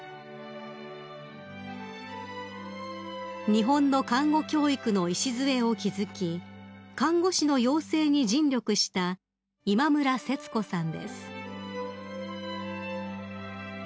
［日本の看護教育の礎を築き看護師の養成に尽力した今村節子さんです］